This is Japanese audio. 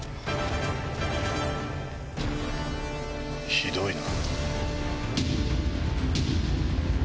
ひどいな。